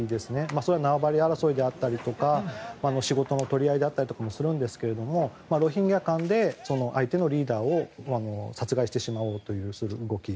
それは縄張り争いであったり仕事の取り合いだったりするんですけどもロヒンギャ間で相手のリーダーを殺害してしまおうとする動き。